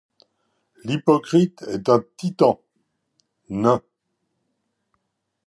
L’hypocrite est un titan, nain.